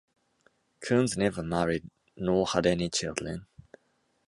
Kearns never married nor had any children.